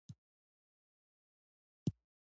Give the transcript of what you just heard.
بزګان د افغانستان د جغرافیې بېلګه ده.